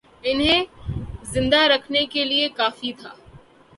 انہیں زندہ رکھنے کے لیے کافی تھا